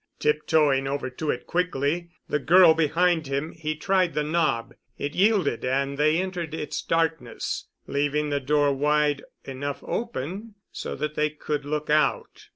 Tiptoeing over to it quickly, the girl behind him, he tried the knob. It yielded and they entered its darkness, leaving the door wide enough open so that they could look out.